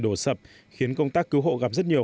đổ sập khiến công tác cứu hộ gặp rất nhiều